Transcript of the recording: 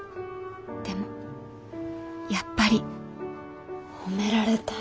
でもやっぱり褒められたい。